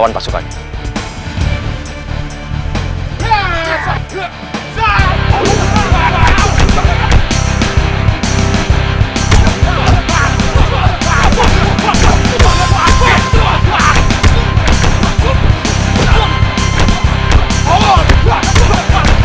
ini bukannya sliding model kalian